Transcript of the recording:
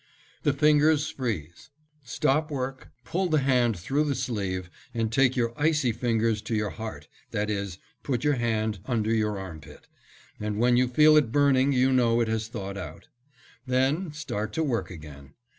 The fingers freeze. Stop work, pull the hand through the sleeve, and take your icy fingers to your heart; that is, put your hand under your armpit, and when you feel it burning you know it has thawed out. Then start to work again.